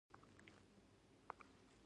ایا تر بغل لاندې غوټې لرئ؟